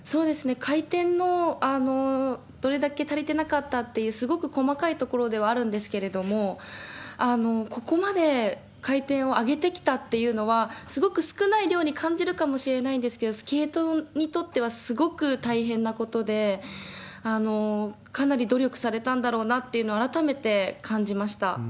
回転のどれだけ足りてなかったという、すごく細かいところではあるんですけれども、ここまで回転を上げてきたっていうのは、すごく少ない量に感じるかもしれないんですが、スケートにとってはすごく大変なことで、かなり努力されたんだろうなというのは改めて感じました。